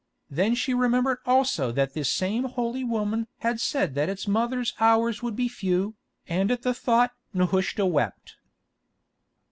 Then she remembered also that this same holy woman had said that its mother's hours would be few, and at the thought Nehushta wept.